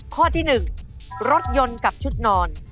ข้อที่๑รถยนต์กับชุดนอน